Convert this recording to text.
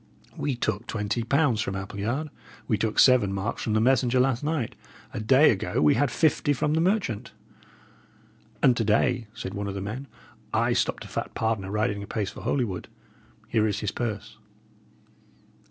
"We took twenty pounds from Appleyard. We took seven marks from the messenger last night. A day ago we had fifty from the merchant." "And to day," said one of the men, "I stopped a fat pardoner riding apace for Holywood. Here is his purse."